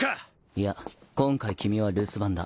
いや今回君は留守番だ。